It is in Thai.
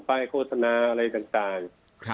ป้ายโฆษณาอะไรต่าง